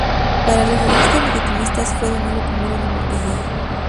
Para los realistas legitimistas fue Danilo I de Montenegro.